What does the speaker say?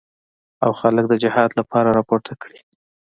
او خلک د جهاد لپاره راپورته کړي.